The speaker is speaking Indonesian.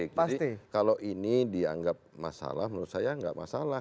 jadi kalau ini dianggap masalah menurut saya enggak masalah